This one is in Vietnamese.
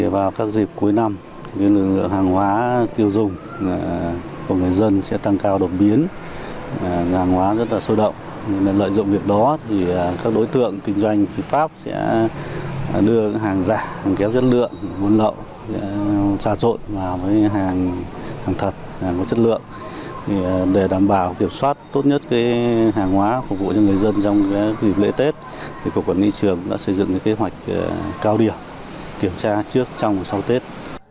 với hàng hóa phục vụ cho người dân trong dịp lễ tết cục quản lý thị trường đã xây dựng kế hoạch cao điểm kiểm tra trước trong sau tết